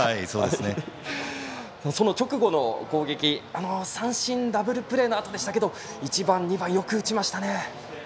その直後の攻撃三振、ダブルプレーのあとでしたが１番、２番よく打ちましたね。